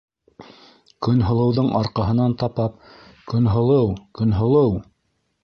Көнһылыуҙың арҡаһынан тапап: - Көнһылыу, Көнһылыу!